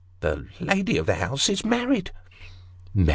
the lady of the house is married."